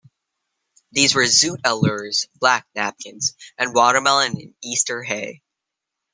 These were "Zoot Allures", "Black Napkins" and "Watermelon in Easter Hay".